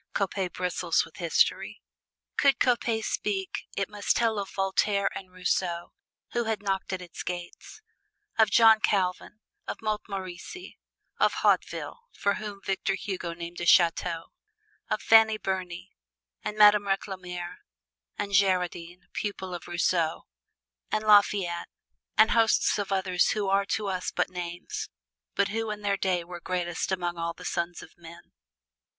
Coppet bristles with history. Could Coppet speak it must tell of Voltaire and Rousseau, who had knocked at its gates; of John Calvin; of Montmorency; of Hautville (for whom Victor Hugo named a chateau); of Fanny Burney and Madame Recamier and Girardin (pupil of Rousseau); and Lafayette and hosts of others who are to us but names, but who in their day were greatest among all the sons of men.